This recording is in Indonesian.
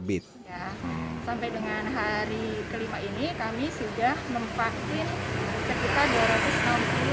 sampai dengan hari kelima ini kami sudah memvaksin sekitar dua ratus enam puluh orang